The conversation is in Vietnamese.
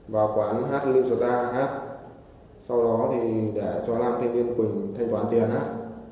vào quán hát lưu sở ta hát sau đó thì để cho làm thanh niên quỳnh thanh toán tiền hát